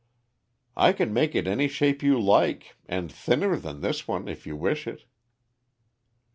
"I can make it any shape you like, and thinner than this one if you wish it."